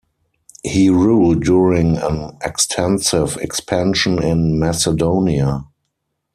He ruled during an extensive expansion in Macedonia.